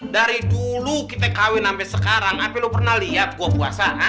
dari dulu kita kahwin sampai sekarang api lo pernah lihat gua puasa